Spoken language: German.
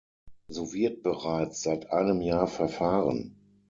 So wird bereits seit einem Jahr verfahren.